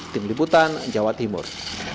tim liputan jawa timur